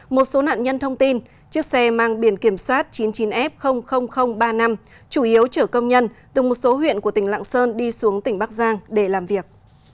một số nạn nhân thông tin chiếc xe mang biển kiểm soát chín mươi chín f ba mươi năm chủ yếu chở công nhân từ một số huyện của tỉnh lạng sơn đi xuống tỉnh bắc giang để làm việc